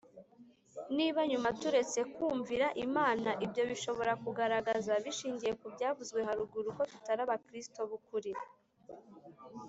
Niba nyuma turetse kwumvira Imana, ibyo bishobora kugaragaza (bishingiye ku byavuzwe haruguru) ko tutari abakristo b'ukuri.